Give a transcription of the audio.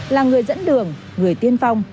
là người dẫn đường người tiên phong